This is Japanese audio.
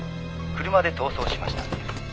「車で逃走しました」